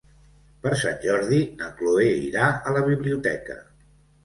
Per Sant Jordi na Cloè irà a la biblioteca.